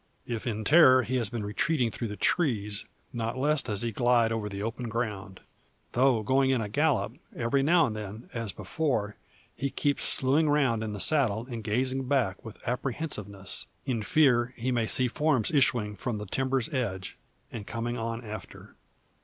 If in terror he has been retreating through the trees, not less does he glide over the open ground. Though going in a gallop, every now and then, as before, he keeps slewing round in the saddle and gazing back with apprehensiveness, in fear he may see forms issuing from the timber's edge, and coming on after.